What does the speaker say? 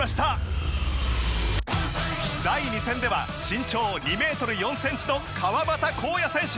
第２戦では身長２メートル４センチの川真田紘也選手。